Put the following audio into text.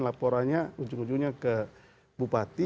laporannya ujung ujungnya ke bupati